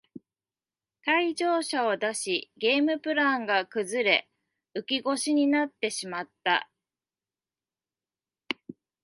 退場者を出しゲームプランが崩れ浮き腰になってしまった